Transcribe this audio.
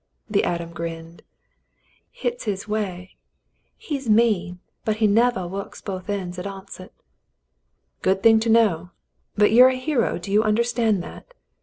The atom grinned. "Hit's his way. He's mean, but he nevah works both ends to oncet." "Good thing to know; but you're a hero, do you under stand that.